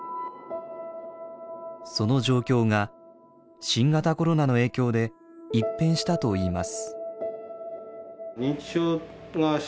その状況が新型コロナの影響で一変したといいます。